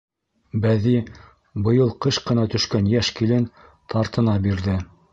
Бәҙи быйыл ҡыш ҡына төшкән йәш килен, тартына бирҙе: